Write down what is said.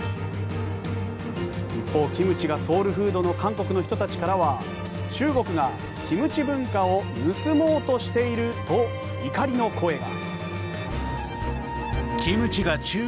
一方、キムチがソウルフードの韓国の人たちからは中国がキムチ文化を盗もうとしていると怒りの声が。